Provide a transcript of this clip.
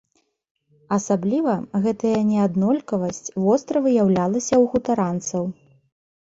Асабліва гэтая неаднолькавасць востра выяўлялася ў хутаранцаў.